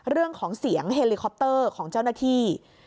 เรื่องของเสียงเฮลิคอปเตอร์ของเจ้าหน้าที่